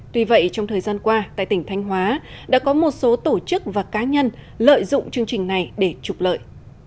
tuy vậy trong thời gian qua tại tỉnh thanh hóa đã có một số tổ chức và cá nhân lợi dụng chương trình này để trục lợi